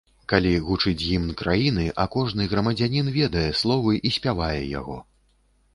Калі гучыць гімн краіны, а кожны грамадзянін ведае словы і спявае яго.